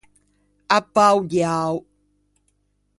A pâ o diao.